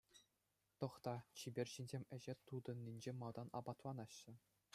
Тӑхта, чипер ҫынсем ӗҫе тытӑниччен малтан апатланаҫҫӗ.